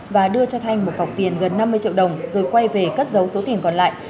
và đưa cho thanh một cọc tiền gần năm mươi triệu đồng rồi quay về cất dấu số tiền còn lại